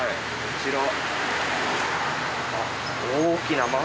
こちら。